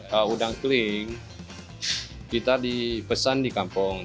kalau udang kering kita dipesan di kampung